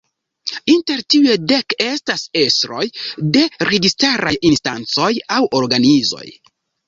Inter tiuj dek estas estroj de registaraj instancoj aŭ organizoj.